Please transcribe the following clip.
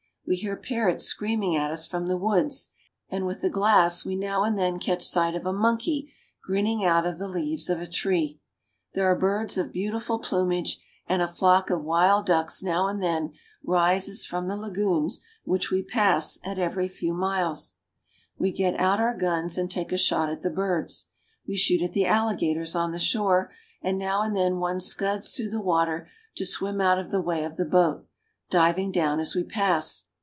We hear parrots screaming at us from the woods, and with the glass we now and then catch sight of a monkey grin HEART OF SOUTH AMERICA. 217 ning out of the leaves of a tree. There are birds of beau tiful plumage, and a flock of wild ducks now and then rises from the lagoons which we pass at every few miles. Landing at Asuncion. We get out our guns and take a shot at the birds. We shoot at the alligators on the shore, and now and then one scuds through the water to swim out of the way of the boat, diving down as we pass.